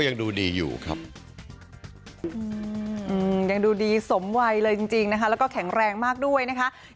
ยังดูดีสมไวเลยจริงนะคะแล้วก็แข็งแรงมากด้วยนะคะ